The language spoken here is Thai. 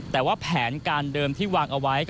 แต่แผนกันเดิมที่วางไว้